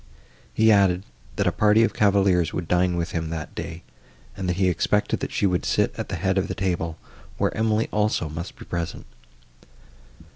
He added, that a party of cavaliers would dine with him, that day, and that he expected that she would sit at the head of the table, where Emily, also, must be present.